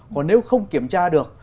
còn nếu không kiểm tra được